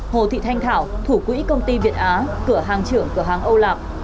hồ thị thanh thảo thủ quỹ công ty việt á cửa hàng trưởng cửa hàng âu lạc